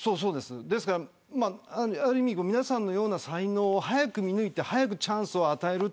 ですからある意味、皆さんのような才能を早く見抜いて早くチャンスを与える。